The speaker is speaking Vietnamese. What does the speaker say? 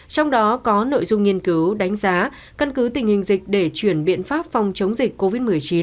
trong đó có nội dung nghiên cứu đánh giá cân cứ tình hình dịch để chuyển biện pháp phòng chống dịch covid một mươi chín